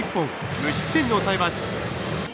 無失点に抑えます。